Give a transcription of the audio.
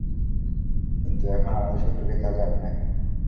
কিন্তু এখন আমাদের শত্রুকে তা জানিনা।